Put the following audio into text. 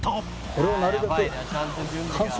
これをなるべく。